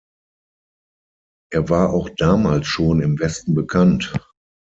Er war auch damals schon im Westen bekannt.